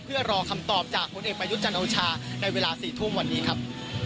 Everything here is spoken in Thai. เพื่อรอคำตอบจากผลเอกประยุทธ์จันโอชาในเวลา๔ทุ่มวันนี้ครับ